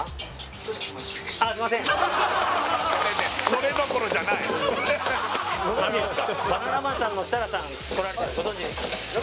ちょっと待ってすみませんそれどころじゃないバナナマンさんの設楽さん来られてるのご存じですか？